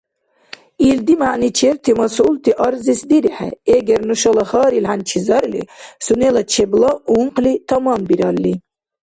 Илди мягӀничерти масъулти арзес дирехӀе, эгер нушала гьарил хӀянчизарли сунела чебла ункъли таманбиралли.